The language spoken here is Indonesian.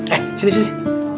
eh sini sini